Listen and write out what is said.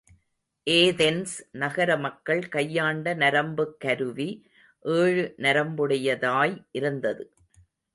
Athens நகர மக்கள் கையாண்ட நரம்புக் கருவி ஏழு நரம்புடையதாய் இருந்தது.